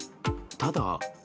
ただ。